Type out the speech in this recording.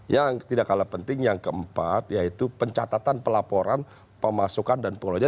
yang tidak kalah penting yang keempat yaitu pencatatan pelaporan pemasukan dan pengelolaan